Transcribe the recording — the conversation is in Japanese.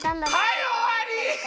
はいおわり！